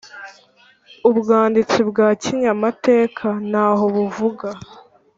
ubwanditsi bwa kinyamateka ntaho buvuga